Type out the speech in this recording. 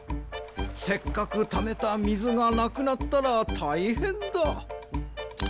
せっかくためたみずがなくなったらたいへんだ。